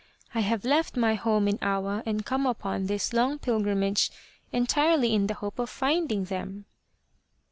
I have left my home in Awa and come upon this long pilgrimage entirely in the hope of finding them."